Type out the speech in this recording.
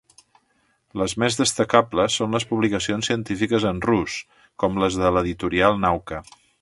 Les més destacables són les publicacions científiques en rus, com les de l'editorial Nauka.